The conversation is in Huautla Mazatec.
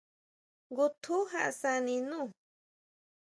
Ngutjun jaʼásani nú.